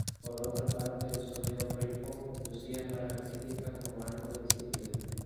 Por otra parte el sonido britpop lucía para la crítica como algo "insípido".